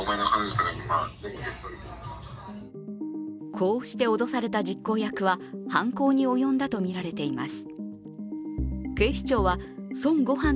こうして脅された実行役は犯行に及んだとみられています。